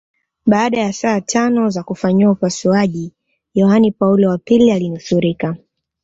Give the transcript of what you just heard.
Baada ya saa tano za kufanyiwa upasuaji Yohane Paulo wa pili alinusurika